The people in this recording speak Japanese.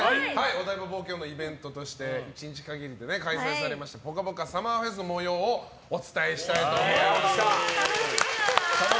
お台場冒険王のイベントとして１日限りで開催された、ぽかぽかＳＵＭＭＥＲＦＥＳの模様をお伝えしたいと思います。